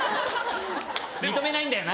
認めないんだよな。